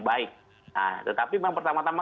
baik nah tetapi memang pertama tama